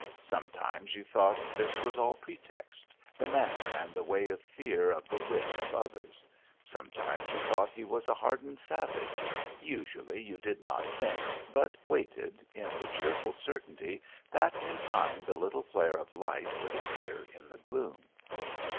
Sometimes, you thought this was all pretext, the manner and the way of fear of the wit of others; sometimes you thought he was a hardened savage; usually you did not think but waited in the cheerful certainty that in time the little flare of light would appear in the gloom.